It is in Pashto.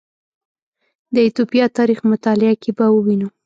د ایتوپیا تاریخ مطالعه کې به ووینو